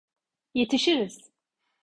Yetişiriz.